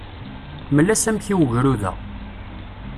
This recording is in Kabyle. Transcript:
Mel-as amek i ugrud-a.